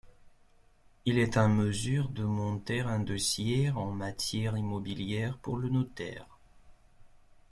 Il est en mesure de monter un dossier en matière immobilière pour le notaire.